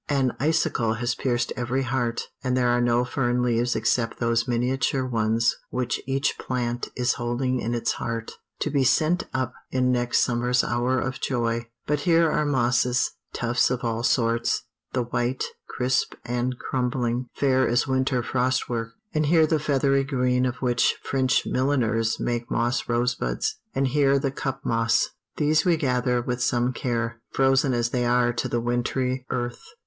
An icicle has pierced every heart; and there are no fern leaves except those miniature ones which each plant is holding in its heart, to be sent up in next summer's hour of joy. But here are mosses tufts of all sorts; the white, crisp and crumbling, fair as winter frostwork; and here the feathery green of which French milliners make moss rose buds; and here the cup moss these we gather with some care, frozen as they are to the wintry earth.